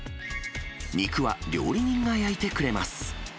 肉は料理人が焼いてくれます。